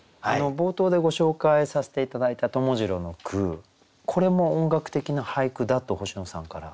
冒頭でご紹介させて頂いた友次郎の句これも音楽的な俳句だと星野さんから。